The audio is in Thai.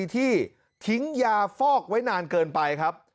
ที่ทิ้งยาฟอกไว้นานเกินไปครับ